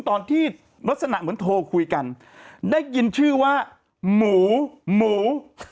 ตอนที่ลักษณะเหมือนโทรคุยกันได้ยินชื่อว่าหมูหมู